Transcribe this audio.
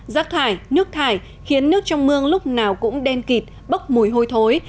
rác thải nước thải khiến nước trong mương lúc nào cũng đen kịp bốc mùi hôi thối